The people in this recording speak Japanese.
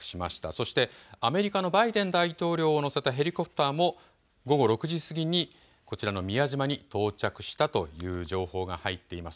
そしてアメリカのバイデン大統領を乗せたヘリコプターも午後６時過ぎにこちらの宮島に到着したという情報が入っています。